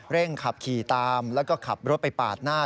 ขับขี่ตามแล้วก็ขับรถไปปาดหน้า